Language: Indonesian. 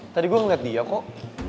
tadi gue ngeliat dia kok